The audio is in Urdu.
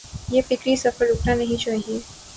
یہ فکری سفر رکنا نہیں چاہیے۔